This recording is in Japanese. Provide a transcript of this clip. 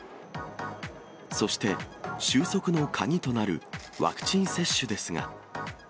そして、収束の鍵となるワクチン接種ですが。